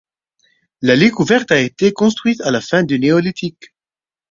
L'allée couverte a été construite à la fin du Néolithique.